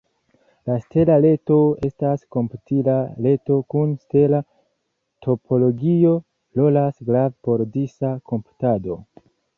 La stela reto estas komputila reto kun stela topologio, rolas grave por disa komputado.